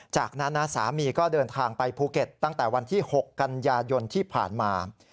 จากนั้นนะสามีก็เดินทางไปภูเก็ตตั้งแต่วันที่๖กันยายนที่ผ่านมา